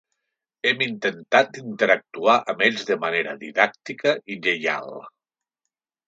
Hem intentat interactuar amb ells de manera didàctica i lleial.